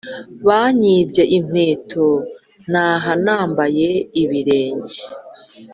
Banyibye inkweto naha nambaye ibirenge